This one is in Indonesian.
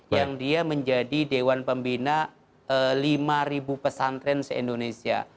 yang dia menjadi dewan pembina lima pesantren se indonesia